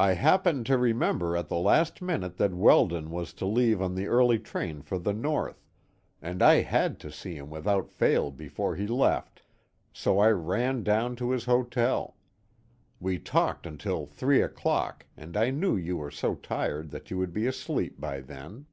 "I happened to remember at the last minute that Weldon was to leave on the early train for the north, and I had to see him without fail before he left, so I ran down to his hotel. We talked until three o'clock, and I knew you were so tired that you would be asleep by then."